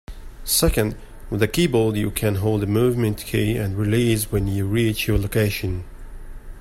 Second, with a keyboard you can hold a movement key and release when you reach your location.